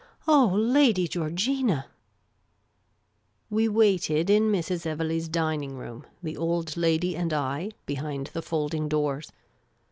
" Oh, Lady Georgina !" We waited in Mrs. Kvelegh's dining room, the old lady and I, behind the folding doors.